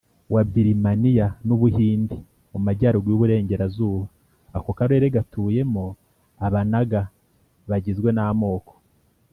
wa Birimaniya n u Buhindi mu majyaruguru y uburengerazuba Ako karere gatuyemo Abanaga bagizwe namoko